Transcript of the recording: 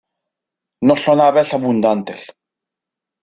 No son aves abundantes.